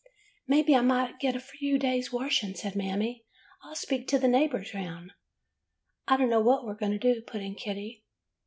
" 'Maybe I might get a few days' washing,' said Mammy. 'I 'll speak to the neighbors 'round.' " 'I don't know what we are going to do,' put in Kitty.